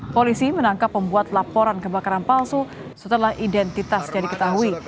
polisi menangkap pembuat laporan kebakaran palsu setelah identitas jadi ketahui